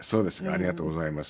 ありがとうございます。